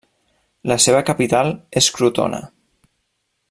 La seva capital és Crotona.